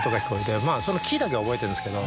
そのキっだけは覚えてるんですけど。